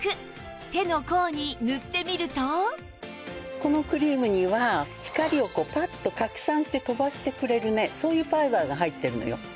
早速このクリームには光をパッと拡散して飛ばしてくれるねそういうパウダーが入ってるのよ。